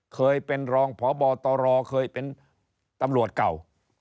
เคยเป็นรองพบตรเคยเป็นตำรวจเก่า